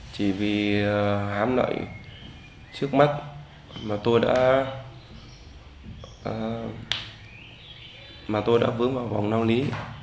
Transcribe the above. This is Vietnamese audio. chỉ vì hám lợi trước mắt mà tôi đã vướng vào vòng nao lý